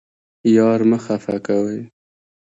یار مه خفه کوئ